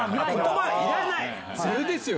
それですよ！